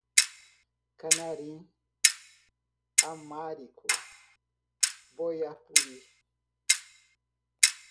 Canarim, amárico, boiapuri